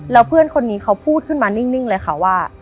แล้วเพื่อนคนนี้เขาพูดขึ้นมานิ่งเลยค่ะว่า